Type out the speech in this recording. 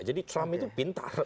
jadi trump itu pintar